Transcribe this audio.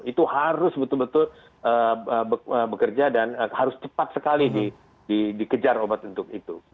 itu harus betul betul bekerja dan harus cepat sekali dikejar obat untuk itu